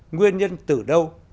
nguyên nhân từ đâu